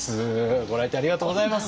ご来店ありがとうございます。